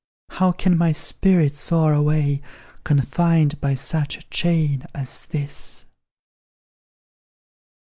How can my spirit soar away, Confined by such a chain as this?